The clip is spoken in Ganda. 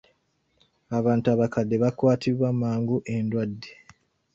Abantu abakadde bakwatibwa mangu endwadde.